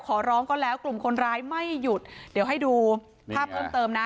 ขอร้องก็แล้วกลุ่มคนร้ายไม่หยุดเดี๋ยวให้ดูภาพเพิ่มเติมนะ